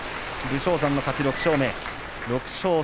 武将山の勝ち、６勝目。